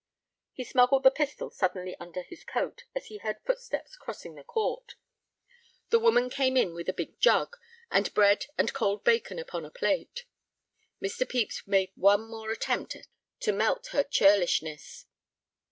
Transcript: He smuggled the pistol suddenly under his coat as he heard footsteps crossing the court. The woman came in with a big jug, and bread and cold bacon upon a plate. Mr. Pepys made one more attempt to melt her churlishness.